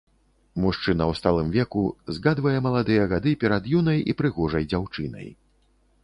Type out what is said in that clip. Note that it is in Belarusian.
Мужчына ў сталым веку згадвае маладыя гады перад юнай і прыгожай дзяўчынай.